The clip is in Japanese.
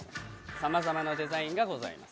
さまざまなデザインがございます。